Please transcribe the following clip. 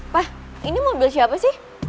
pak ini mobil siapa sih